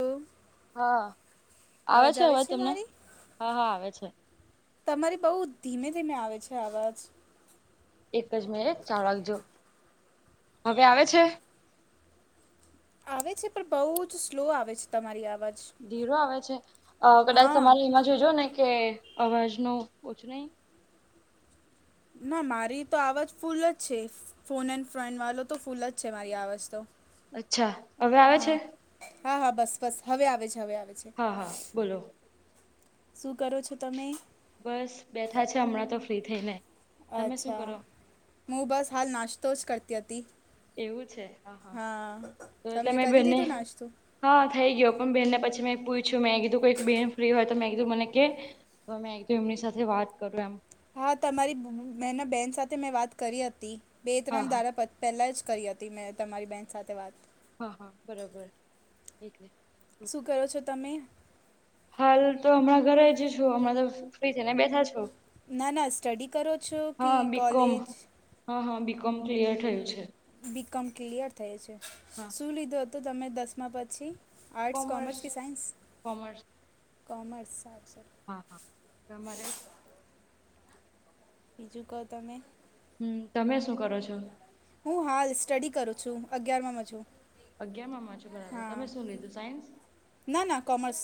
ઓ હા આવે છે અવાજ તમને હા હા આવે છે. તમારી બઉ ધીમે ધીમે આવે છે અવાજ. એક જ મિનીટ ચાલુ રાખજો હવે આવે છે! આવે છે પણ બહુ જ સ્લો આવે છે તમારી અવાજ. ધીરો આવે છે કદાચ હા તમારે એમાં જોજો ને કે અવાજ ન ઓછું નહી. ના મારી તો આવાજ ફૂલ જ છે. ફોન એન્ડ ફ્રન વાળો તો ફૂલ જ છે મારી આ અવાજ તો. અચ્છા હવે આવે છે! હા હા હા બસ બસ હવે આવે છે હવે આવે છે. હા હા બોલો. શું કરો છો તમે? બસ બેઠા છે હમણાં તો ફ્રી થઈને. તમે શું અચ્છા કરો હું બસ હાલ નાસ્તો જ કરતી હતી. એવું છે હા હા તો એટલે તમે મેં કરી બને લીધું નાસ્તો હા થઈ ગયો પણ બ બેહેનને પછી મેં પૂછું મેકીધું કોઈક બેન ફ્રી હોય તો મેકીધું મને કે તોમે એમની સાથે વાત કરું એમ. હા તમારી બહેન બેહેન સાથે મેં વાત કરી હતી બે હા ત્રણ હા દારા પ પહેલાં જ કરી હતી મેં તમારી બહેન સાથે વાત. હા હા બરોબર એટલે બરોબર. શું કરો છો તમે? હાલ તો હમણાં ઘરે જ છું હમણાં તો ફ્રી છે ને બેઠા છું. ના ના સ્ટડી કરો છો કે બીકોમ કોલેજ! હા હા બીકોમ ક્લિયર થયું છે. બીકોમ ક્લિયર થય છે હા. શું લીધું હતું તમે દસમા પછી? આર્ટ્સ કોમર્સ કે સાઇન્સ કોમર્સ કોમર્સ આસ હા હા તમારે બીજું કહો તમે! હમ તમે શું કરો છો? હું હાલ સ્ટડી કરું છું અગિયારમાં છું. અગ્યારમામા બરાબર હા તમે શું લીધું સાયન્સ ના ના કોમર્સ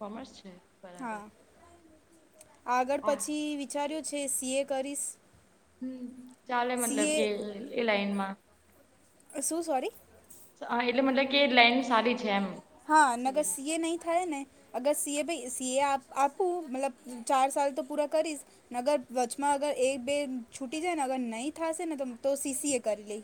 કોમર્સ છે હા બરાબર આગળ આ પછી વિચાર્યું છે સીએ કરીશ હમ ચાલે મતલબ સીએ કે એ લાઈન માં શું સોરી એટલે મતલબ કે લાઈન સારી છે એમ હા નગર સી એ નહી થાય ને અગર સીએ ભાઈ સીએ આપ આપું મતલબ ચાર સલ તો પૂરા કરીશ ને અગર વચમાં અગર એક બે છૂટી જાય ને અગર નહીં થશે ને તો તો સીસી એ કરી લઈ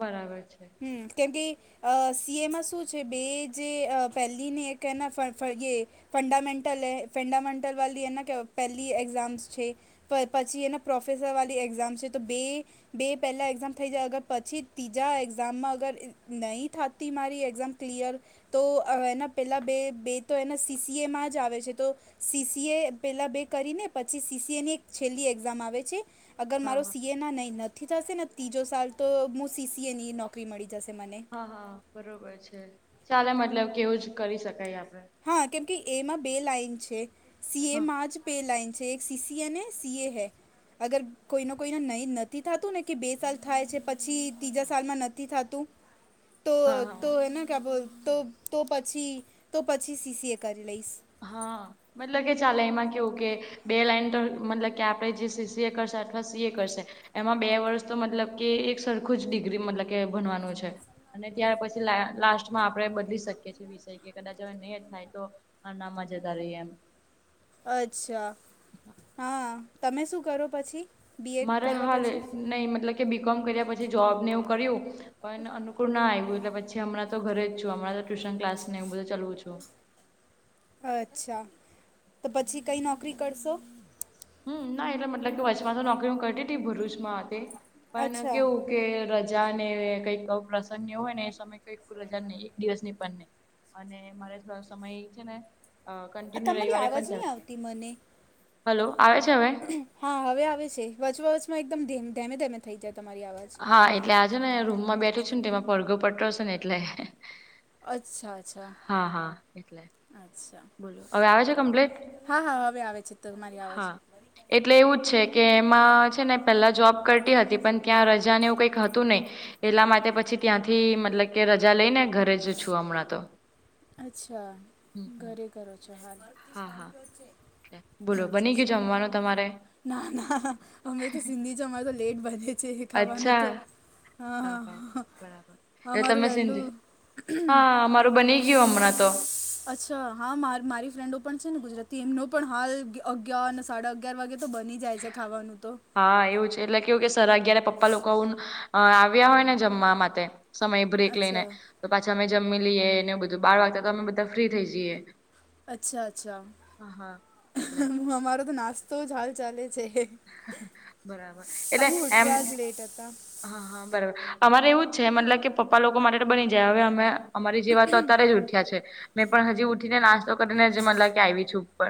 બરાબર છે હમ કેમ કે અ સી એમાં શું છે બે જે પહેલીનેના ફરીએ ફંડામેન્ટલ એ ફંડામન્ન્ટલ વાી એને કે પહેલી એક્ઝામ્સ છે પછી એના પ્રોફેસર વાળી એક્ઝામ છે તો બે બે પહેલા એક્ઝામ થઈ જાય અગર પછી ત્રીજા એક્ઝામમાં અગર નહી થતી મારી એક્ઝામ ક્લિયર તો એના પેલા બે બે તો એના સીસીએમાં જ આવે છે તો સીસીએ પેલા બે કરી ને પછી સીસીએ ની એક છેલ્લી એક્ઝામ આવે છે અગર હા મારો હા સી એ ના નહીં નથી થશે ને ત્રીજો સાલ તો હું સીસીએ ની નોકરી મળી જશે મને હ હા બરોબર છે ચાલે મતલબ કેવું જ કરી શકાય આપડે હા કેમ કે એમાં બે લાાઈન છે સી હા એમાં જ બે લાઈન છે અછે એક સીસીીએન અને સી એ હૈ અગર કોઈને કોઈને નહીં નથી થતું ને કે બે સાલ થાય છે પછી ત્રીજા સાલમાં નથી થતું.. [inaudible] તો હા તો હા હેને ક્યા બોલ તો તો પછી તો પછી સીસીએ કરી લઈશ. હા. મતલબ કે ચાલે એમાં કેવું કે બે લાઈન તો મતલબ કે આપણે જે સી સએ કરશે અથવા સી એ કરશે. એમાં બે વર્ષ તો મતલબ કે એક સરખું જ ડિગ્રી મતલબ કે ભનવાનું છે. અને ત્યાર પછી લાસ્ટમાં આપણે બદલી શકીએીએ વિષય કે કદાચ હવે નહી થાય તો. આ ના મજાદ રહીએ એમ. અચ્છા હા તમે શું કરો પછી. બીએડ મારે કરવા હાલ પછી નહી મતલબ. કે બી કોમ કર્યા પછી જોબ ને એવું કર્યું પણ અનુકૂળ ના આવ્યું એટલે પછી. હમણા તો ઘરે જું હણાં તો ટ્યુશન ક્સ એું બધું ચાલવું છું. અચ્છા તો પછી કંઈ નોકરી કરશો. હમ ના એટલે મતલબ વર્ચમાં તો નોકરી કરતી હતી ભરૂચમાં તે પણ અચ્છા કેવું. કે રજા ને કઈક પ્રસંગ હોય ને એ સમય. ઈલ હજાર નહી એક દિવસ ની પણ નહી અને મારે સમય એ છે ને. આ કન્ટિન્યુ તમારી રવિવારે આવાજ પણ ચાલ નહીં આવતી મને હલો આવે છે હવે. હા હવે આવે છે વચોવચમાં એકદમ ધેમે ધેમે થઈ જાય તમારી આવાજ. હા એટલે આજો ને રૂમમાં બેઠો છું ને તેમાં પડઘો પટડ છે ને એટલે. અચ્છા અચ્છા હા હા એટલે. અચ્છા. બોલો હવે આવે છે કમ્પ્લેટ હા હા હવે આવે છે તમારી અવાજ હા. એટલે એવું જ છે કે એમાં. ને પેલા જોબ કરતી હતી પણ ત્યાં રજા નેવું કઈક હતું નહીિ એટલા માટે પછી. ત્યાંથી મતલબ કે રજા લઈ ને ઘરે જ છું હમણાં તો. અચ્છા. હમમ ઘરે કરો છો હાલ હા હા બોલો બની અચ્છા ગયો જમવાનું તમારે. ના ના અમે તો સિંધી જ અમારે તો લેટ બને છે એ ખાવાનું અચ્છા. તો. હા હા બરાબર હ એટલે અમારું તમે વેલું. સિંધી હા મામારું બની ગયું હમણાં તો. હા મા મારી ફ્રેન્ડો પણ છે ને ગુજરાતી એમનો પણ હાલ અગિયારને સાડા અગયાર વાગે. તો બની જાય છે ખાવાનું તો. હા એવું છે એટલે કેવું કે સર અગિય્યારે પપ્પા લોકો આવ આવ્યા હોય ને જમવા માટે. સમય બ્રેક લઈને અચ્છા તો પાછી અમે જમી લએ ને બધું બહાર વાગતા તો અમે બધા ફ્રી થઈ જઈએ. અચ્છા અચ્છા હા હા એટલે હ અમારો તો નાસ્તો જ હાલ ચાલે છે. અમે બરાબર એટલે એમ. ઉઠ્યા જ લેટ હતા હા હા બરાબર અમારે એવું જ છે મતલબ કે પપ્પા લોકો માટે બની જાય હવે અમે. અમારી જેવા તો અત્યારે જ ઉઠ્યા છે મેં પણ હજી ઉઠીને નાસ્તો કરીનેજ મને લ કે આવી છું ઉપર.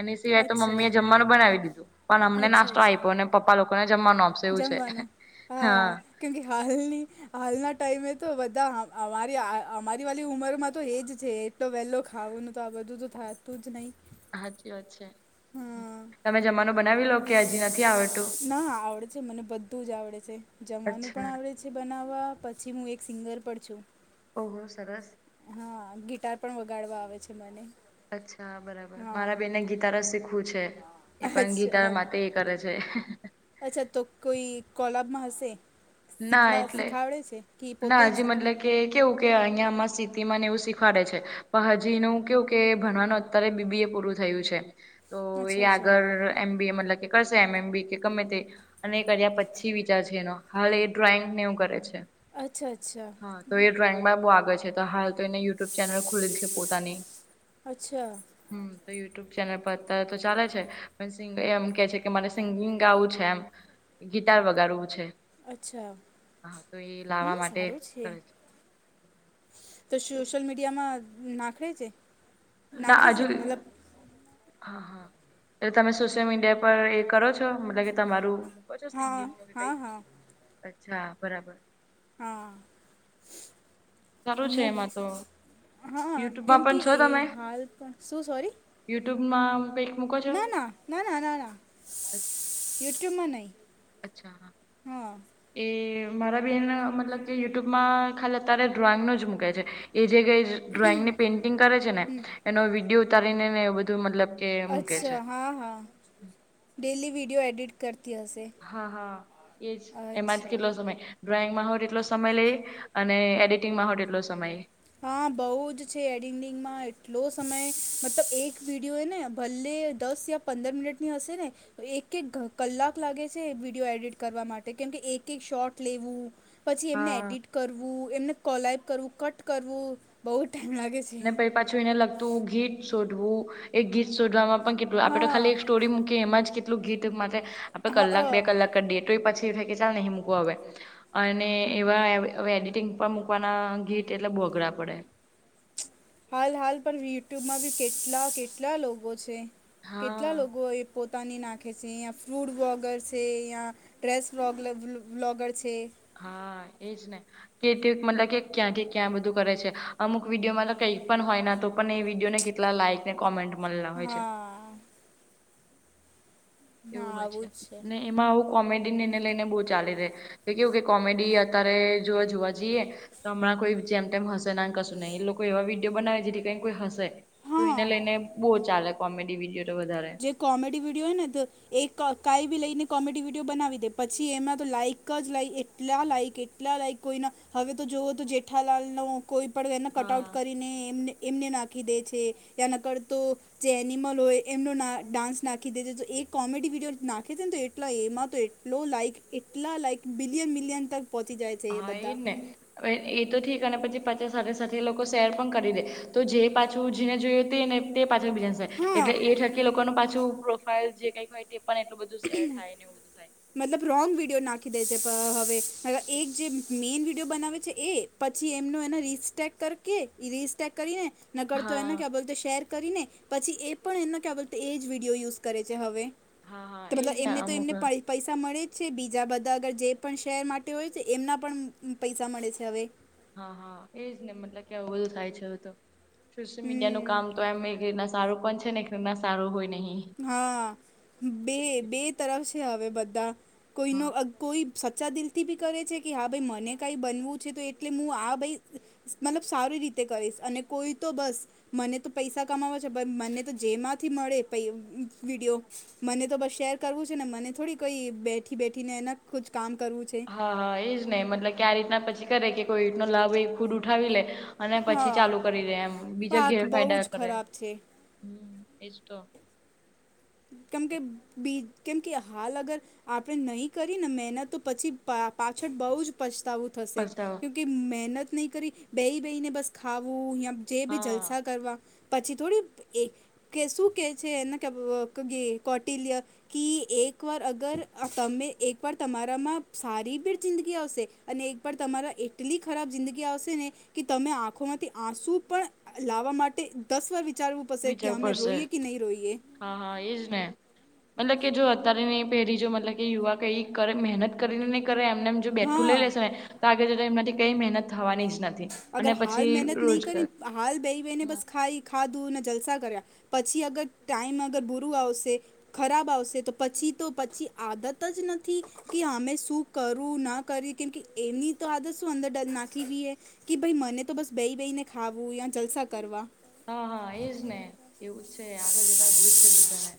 એની સિવાય તો અચ્છા મમ્મી એ જમવાનું બનાવી દીધું પણ અમને નાસ્તો. અચ્છા અચ્છા આપ્યો પપ્પા લોકોને જમવાનું આપશે એવું છે હા. ક્યોક હાલની. હાલના ટાઈમે તો બધા અમારી અમારી વાળલી ઉંમરમાં તો એજ છે. એટલો વહેલો ખાવુંનું તો આ બધું તો થતું જ નહીં. હાચી વાત છે હા તમે જમા. બનાવી લો. કે હજી નથી આવડતું ના આવડે છે મને બધું જ આવડે છે જમવાનું પણ અચ્છા આવડે છે. પછ બનાવવા પછી હું એક સિંગર પણ છું. ઓહો સરસ. હા ગિટાર પણ વગાડવા આવે છે મને. અચ્છા બરાબર હા મારા બેનને ગીટાર જ શીખવું છે એ પણ અચ્છા ગીટાર હા માટે કરે છે અચ્છા તો કોઈ કોલાબમાં હશે શીખ ના એટલે શીખાવડે છે કે પોતે ના જ હજી શીખડે મતલબ કે કેવું કે અહિયાંમાં સ્થિ ને એવું શીખવાડે છે પ હાજી ન કેવું કે ભણવાનું અત્યારે બીબી એ પૂરું થયું છે તો અચ્છા અચ્છા એયાગર એમ બી એ મતલબ કે કરશે એમ એમ બી કે ગમે તે અને એ કર્યા પછી વિચાર છે એનો હાલ એ ડ્રોઈંગને એવું કરે છે અચ્છા અચ્છા હા તો એ ડ્રોઈંગ માં બહુ આગળ છે તો હાલ તો એના યુટ્યુબ ચેનલ ખુલેલ છે પોતાની અચ્છા હ તો યુટ્યુબ ચેનલ પર અત્યારે તો ચાલે છે એમ કે છે કે મને સિંગિંગ આવું છે એમ ગિટાર વગડવું છે અચ્છા હા તો એ લાવવા નાનું માટે સારું છે કરે તો સોશિયલ મીડિયામાં નાખે છે ના નાખે છે આજુ મતલબ હા હા એટલે તમે સોશિયલ મીડિયા પર એ કરો છો મતલબ કે તમારું હા હા હા અછ બરાબર હા સારું છે એમાં તો હ હા યુટ્યુબમાં કેમ કે પણ છો એ તમે હાલ પણ શું સોરી યુટ્યુબમાં કક ના ના ના ના ના ના યુટ્યુબમાં નહી અચ્છા હા એ મારા બહેન મતલબ કે યુટ્યુબમાં ખાલી અત્યારે ડ્રોઈંગનો જ મૂકે છે એ જે કઈ. ડ્રોઈંગ ને પેઇન્ટિંગ કરે છે ને એનો વિડીયો ઉતારીને ને એ બધું મતલબ. કે મૂકે છે અચ્છા હા હા ડેલી વીડિયો એડિટ કરતી હશે હા હા એજ એમાં જ અચ્છા કેલો સમય ડ્રોઈંગમાં હું તેટલો સમય લઈ અને એડિટિંગમાં હું તેટલો સમય લ હા બહુ જ છે એડિટિંગમાં એટલો સમય મતલબ એક વિડીિયો એ ને ભલે દસ યા પંદર મિનિટની હશે ને. એક એક ક કલાક લાગે છે વિડીયો એડિટ કરવા માટે કેમકે એક એક શોટ લેવું. પછી એમને હા એડિટ કરવું એમને કોલઈપ કરવું કટ કરવું બહુ ટાઈમ લાગે છે. પછ પાછું એને લગતું ગીત શોધવું એક ગીત શોધવામાં. કેટલું આપણે તો હા ખાલી એક સ્ટોરી મૂકીએ એમાં જ કેટલું ગીત માટે હા કલાક અ. બે કલાક ડે. તે પછી ના કહે ને હમુકુ આવે અને એવા અ એડિટિંગ પણ મૂકવાના ગીત એટલે બોગડા પડે. હાલ હાલ પણ યુટ્યુબમાં બી કેટલા કેટલા લોકો છે કેટલા હા લોકો એ. પોતાની નાખે છે ઇયા ફ્રૂટ વોગર છે ઇયાં. ડ્રેસ બોગ બ્લોગર છે. હા એજ ને. કે ટ્યુબ મતલબ કે ક્યાંથી ક્યાં બધું કરે છે અમુક વિડીયો મતલબ કઈક પણ હોય ના તો પણ એ વિડીયોને. લા લાઈકને કોમેન્ટ. મળેલા હોય છે હા. હા એવું હોય છે આવું જ ને એમાં આવું કોમેડીને એને લઈને બહુ ચાલી રહે‌. તો કેવું કે કોમેડી અત્યારે જો જોવા જઈએ. તો હમણાં કોઈ જેમ તેમ હશે ના કશું નહી એ લોકો એવા વિડીયો બનાવે જેથી કઈ કોઈ હશે. તો એને હા લઈને બહુ ચાલે કોમેડી વિડીયો તો વધારે. જે કોમેડી વિડીયો હેને તો. એક ક કઈ બી લઈને કોમેડી વિડીયો બનાવી દે પછી એમાં તો લાઈક જ લ. એટલા લાઈક એટલા લાઈક કોઈના હવે તો જુઓ તો જેઠાલાલનો. કોઈ પણ એને કટઆઉટ હા કરીને એમને. એમને નાખી દે છે ત્યા નકડતો જે એનિમલ હોય. એમનો ના ડાન્સ નાખી દે છે તો એ કોમેડી વિડીયો નાખે છે ને તો એટલો એમાં તો એ. લો લાઇક એટલા લાઇક બિલયન બિલિયન તક પહોંચી જાય. છે એ હા એજ બધા ને એ તો ઠીક અને પછી પાછા સાથે સાથે લોકો શેર પણ કરી દે. તો જે પાછું જેને જોય તેને. પાછું બિઝનેસય હા એટલે એ થકી લોકોનું પાછું પ્રોફાાઈલ જે કઈક હોય તે. પણ એટલું બધું શેર થાય ને એવું બધું થાય‌ મતલબ રોંગ વિડીયો નાખી દે છે હ હવે એક જે મેઇન વિડીયો બનાવે છે એ. પછી એમનું એને રીસ્ટેક કરકે એ રીસ્ટેક કરીને. નકળતો એનો હા. ક્યાં બોલ તો શેર કરીને પછી એ પણ એનો ક્યાં બોલ એ જ વિડીયો યુઝ કરે છે હવે. હા તો હા એજ મતલબ ને એમને તો અમુક એમને વાર. પાઇ. પૈસા મળે જ છે બીજા બધા અગર જે પણ શહેર માટે હોય છે એમના પણ પૈસા મળે છે હવે. હા હા એજ ને મતલબ કેું બધું થાય છે હવે તો સોશિયલ મીડિયા નો. હમ કામ તો એમ ના સારું પણ છે ને કે ના સારું હોય નહી. હા બે બે તરફ છે આવે બધા કોઈનો. હા. કોઈ સચ્ચા દિલથી બી કરે છે કે હા ભાઈ મને કાંઈ બનવું છે તો એટલે હું આ ભાઈ. મતલબ સારી રીતે કરીશ અને કોઈ તો બસ. મને તો પૈસા કમાવા છે બ મને તો જેમાંથી મળે. પ વિડીયો મને તો બસ શેર કરવું છે ને મને થોડી કોઈ બેઠી બેઠીને એના. કુછ કામ કરવું છે. હા હા એજ ને મતલબ કે આ રીતના પછી કરે કે કોઈ રીતનો લાભ એ ખુદ ઉઠાવી લે. અને પછી હા ચાલુ કરી દે એમ બીજા પાક બહુ ઘેરફાયદા જ કરે હ ખરાબ છે એજ તો કેમ કે બી કેમ કે હાલ અગર આપડે નહી કરી ને મહેનત તો પછી પાછળ બઉુ જ પછતાવું થશે પસ્તાવ કયોકિ મહેનત નહીં કરી બેહી બેહીને બસ ખાવું યાં. જે બી હા જલસા કરવા પછી થોડી એ કે શું કહે છે એને કે. ક્યોંકિ કોટિલિયર. કિ એક વાર અગર તમે એક વાર તમારામાં સારી ભીર જિંદગી આવશે. અને એક પણ તમારા એટલી ખરાબ જિંદગી આવશે ને કે તમે આંખોમાંથી આંસુ પણ લાવવા માટે દસ વાર વિચારવું પડશે વિચાર કે અમે પડશે રોઈએ કે નહી રોએ હા હા એજ ને મતલબ કે જો અત્યારે પેલી જો મતલબ કે યુવા કઈ કરે મહેનત કરીને નહી કરે એમ જો બેઠું હા લઈ લેશે ને તો આગે એમાંથી કઈ મહેનત થવાની જ નથી અને અગર હાલ પછી મહેનત નહી રોજગાર કરીે હાલ બેહી બેહેને હમ બસ ખાાઈ ખાધું અને જલસા કર્યા પછી અગર ટાઈમ અગર બુરું આવશે ખરાબ આવશે તો પછી તો પછી આદત જ નથી કે અમે શું કરું ના કરી કેમ કે એમની તો આદત શું અંદર ડર નાખી રએ કે ભાઈ મને તો બસ બેહી બેહીને ખાવું યા જલસા કરવા હા હા એજ ને એવું જ છે આગળ જતા ગુરુજ છે બધાને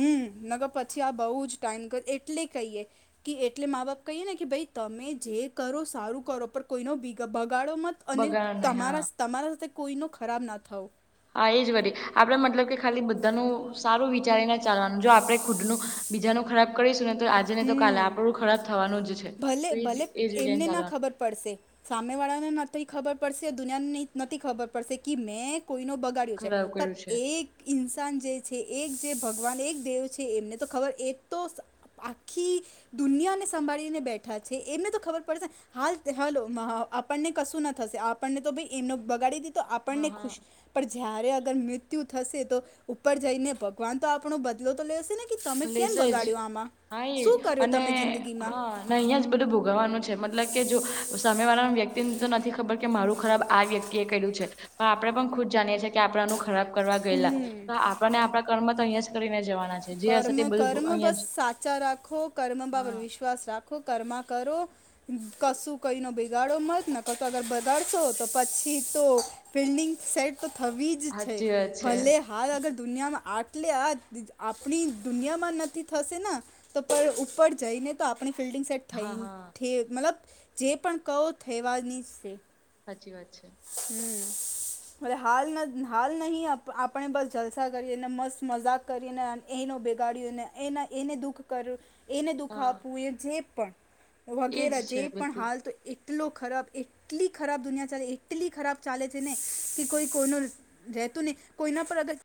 હમ નગ પછી આ બહુ જ ટાઈઇમ કર એટલે કહીએ કે એટલે મા બાપ કહીએ ને કે ભાઈ તમે જે કરો સારું કરો પર કોઈનો બગાડો મત અને બગાડ નહી હા તમારા તમારા સાથે કોઈનો ખરાબ ના થયો હા એ જ કરી આપડણે મતલબ કે ખાલી બધાનું સારું વિચારીને ચાલવાનું જો આપણે ખુદનું બીજાનું ખરાબ કરીશું ને તો આજે ને તો કાલે આપણું ખરાબ થવાનું જ છે તો ભલે એજ ભલે એજ રિઝાન એમને ના ચાલવાનું ખબર પડશે સામે વાળાને નથી ખબર પડશે દુનિયાની નથી ખબર પડશે કે મેં કોઈ ન બગાડ છે ખરાબ પણ કર્યું છે એક ઇન્સાન જે છે એક જે ભગવાન એક દેવ છે એમને તો ખબર એ તો આખી દુનિયાને સંભાળીને બેઠા છે એમને તો ખબર પડશે ને હાલ હલો આપણને કશું ના થશે આપણને તો ભ એમને બગાડી દીધ તો હા આપણને હા ખુશ પણ જયારે અગર મૃત્યુ થશે તો ઉપર જઈને ભગવાન તો આપણો બદલો તો લેશે ને તમે કેમ લેશે જ બગાડ્યો આમાં હા એ શું કર્યો અને તમે જિંદગીમાં હા અહિયાં જ બધું ભોગવવાનું છે મતલબ કે જો અમે વાળા વ્યક્તિને તો નથી ખબર કે મારું ખરાબ આ વ્યક્તિ એ કર્યું છે પણ આપણેે પણ ખુદ જાણીએ છીએ કે આપણેનું ખરાબ કરવા ગયેલા તો આપને આપણા કર્ તો અહીંયા જ કરીને જવાના છે જે હશે કર્મ તે બધું કર્મ અહિયાં બસ જ સાચા રાખો કર્મ બાપર હા વિશ સ્્વાસથ રાખો કર્મા કરો કશું કંઈનો બગાડો મળત ના કશું અગર બગાડશો તો પછી તો ફિલ્ડિંગ સેટ તો થવી જ છે હાચી વાત છે. ભલે હાલ અગર દુનિયામાં આટલે આ આપણી દુનિયામાં નથી થશે ને તો પણ ઉપર જઈને તો આપણી ફિલ્ડિંગ સેટ હા થઈ હા મતલબ જે પણ કહો થવાની છે સાચી વાત છે હમ હાલ હાલ નહી આપણે બસ જલસા કરીએ એને મસ્ત મજાક કરીને એનો ભેગાડ્યુંને એના એને દુઃખ કર્યું એને હા દુખાવવું એ જે પણ એજ વગેરે જે છે પણ બધું હાલ તો એટલો ખરાબ એટલી ખરાબ દુનિયા ચાલે એટલી ખરાબ ચાલે છે ને કે કોઈ કોઈ રહેતું નહી કોઈના પર અગર